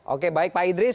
oke baik pak idris